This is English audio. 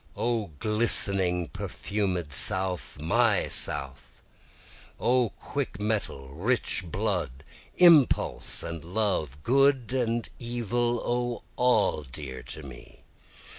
O glistening perfumed South! my South! O quick mettle, rich blood, impulse and love! good and evil! O all dear to me!